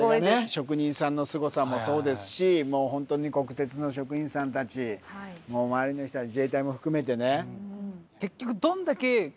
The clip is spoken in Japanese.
職人さんのすごさもそうですしもうホントに国鉄の職員さんたちもう周りの人自衛隊も含めてね。